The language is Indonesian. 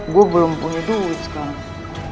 gue belum punya duit sekarang